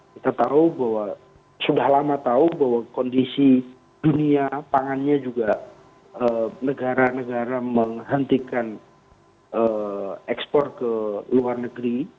kita tahu bahwa sudah lama tahu bahwa kondisi dunia pangannya juga negara negara menghentikan ekspor ke luar negeri